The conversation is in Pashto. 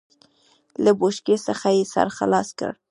له بوشکې څخه يې سر خلاص کړ.